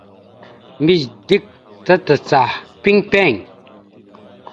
Mbiyez dik tacacaha piŋ piŋ.